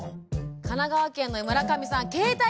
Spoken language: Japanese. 神奈川県の村上さん